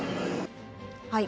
はい。